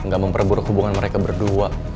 gak memperburuk hubungan mereka berdua